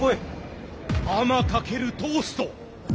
天かけるトースト！